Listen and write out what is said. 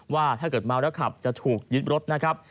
ว่าถ้าเกิดเมาแล้วขับจะถูกยึดรถนะครับ